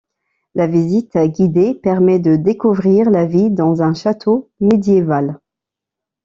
La visite guidée permet de découvrir la vie dans un château médiéval.